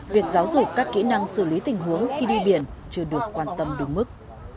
việc giáo dục các kỹ năng xử lý tình huống khi đi biển chưa được quan tâm đúng mức